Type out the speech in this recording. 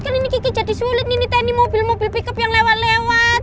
kan ini jadi sulit nih nih mobil mobil pick up yang lewat lewat